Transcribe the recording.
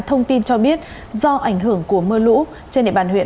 thông tin cho biết do ảnh hưởng của mưa lũ trên địa bàn huyện